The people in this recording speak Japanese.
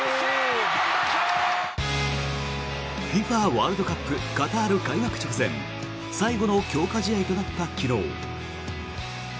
ワールドカップカタール開幕直前最後の強化試合となった昨日。